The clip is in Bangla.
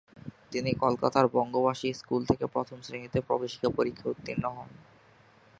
তিনি কলকাতার বঙ্গবাসী স্কুল থেকে প্রথম শ্রেণীতে প্রবেশিকা পরীক্ষায় উত্তীর্ণ হন।